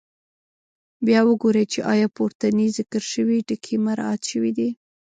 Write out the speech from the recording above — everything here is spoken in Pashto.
بیا وګورئ چې آیا پورتني ذکر شوي ټکي مراعات شوي دي.